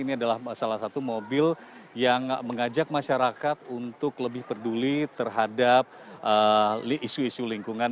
ini adalah salah satu mobil yang mengajak masyarakat untuk lebih peduli terhadap isu isu lingkungan